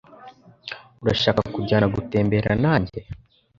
Urashaka kujyana gutembera nanjye?